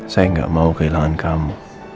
saya nggak mau kehilangan kamu